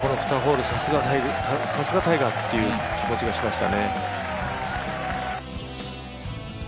ここの２ホール、さすがタイガーっていう気がしました。